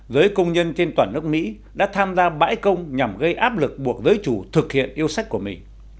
giới công nhân trên toàn nước mỹ đã tham gia bãi công nhằm gây áp lực buộc giới chủ thực hiện yêu sách của mình